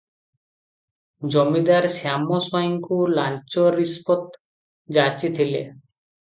ଜମିଦାର ଶ୍ୟାମ ସ୍ୱାଇଁଙ୍କୁ ଲାଞ୍ଚ ରିସପତ୍ ଯାଚିଥିଲେ ।